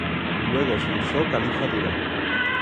Luego se usó caliza dura.